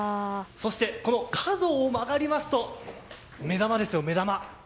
そして、角を曲がりますと目玉ですよ、目玉。